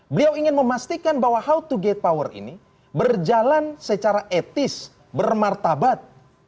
beliau ingin memastikan bahwa how to get power ini berjalan secara etis bermartabat